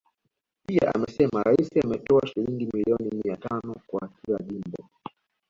Pia amesema Rais ametoa shilingi milioni mia tano kwa kila jimbo